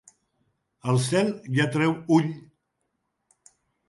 El cel ja treu ull.